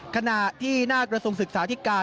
ขณะที่หน้ากระทรวงศึกษาธิการ